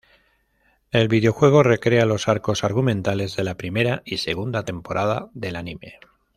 El videojuego recrea los arcos argumentales de la primera y segunda temporada del anime.